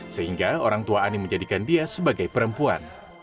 sehingga orang tua ani menjadikan dia sebagai perempuan